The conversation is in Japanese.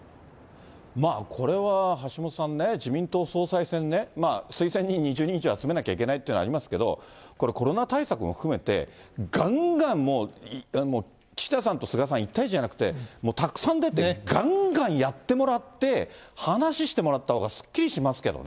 まあこれは、橋下さんね、自民党総裁選ね、推薦人２０人以上集めなきゃいけないというのはありますけど、コロナ対策も含めてがんがんもう、岸田さんと菅さん１対１じゃなくて、たくさん出て、がんがんやってもらって、話してもらったほうがすっきりしますけどね。